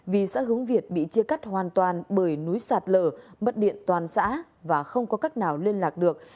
vì xã hướng việt bị chia cắt hoàn toàn bởi núi sạt lở mất điện toàn xã và không có cách nào liên lạc được